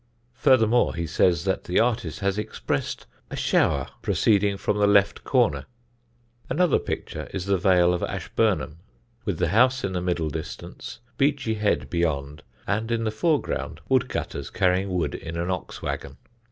Furthermore, he says that the artist has expressed a shower proceeding "from the left corner." Another picture is the Vale of Ashburnham, with the house in the middle distance, Beachy Head beyond, and in the foreground woodcutters carrying wood in an ox waggon.